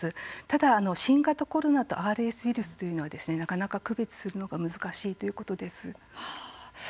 ただ新型コロナとＲＳウイルスというのはなかなか区別するのが難しいということです。